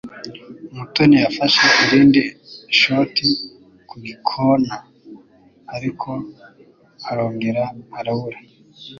Mutoni yafashe irindi shoti ku gikona, ariko arongera arabura.